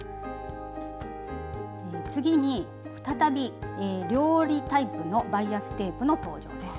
次に再び両折りタイプのバイアステープの登場です。